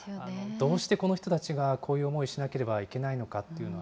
どうしてこの人たちがこういう思いをしなければいけないのか